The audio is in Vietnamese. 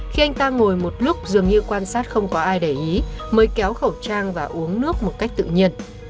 khi anh ta ngồi một lúc dường như quan sát không có ai để ý mới kéo khẩu trang và uống nước một cách tự nhiên